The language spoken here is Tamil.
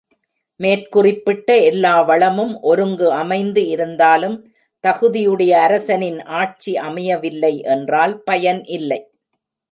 மேற்குறிப்பிட்ட எல்லா வளமும் ஒருங்கு அமைந்து இருந்தாலும் தகுதி உடைய அரசனின் ஆட்சி அமையவில்லை என்றால் பயன் இல்லை.